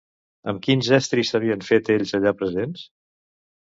Amb quins estris s'havien fet els allà presents?